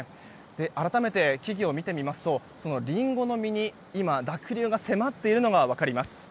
改めて木々を見てみますとリンゴの実に濁流が迫っているのが分かります。